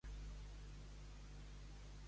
Qui esmenta en la seva obra als frigis?